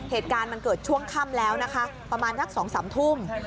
เหตุการณ์มันเกิดช่วงค่ำแล้วนะคะประมาณนัก๒๓ทุ่ม